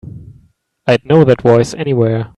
I'd know that voice anywhere.